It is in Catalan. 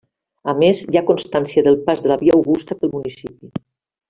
A més, hi ha constància del pas de la Via Augusta pel municipi.